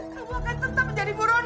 kamu akan tetap menjadi burunan